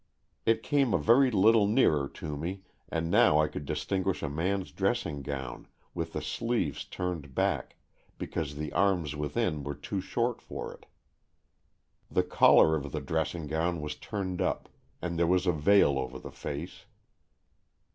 It came a very little nearer to me, and now I could distinguish a man's dressing gown, with the sleeves turned back, because the arms within were too short for it. The collar of the dressing gown was turned up, and there was a veil over the face.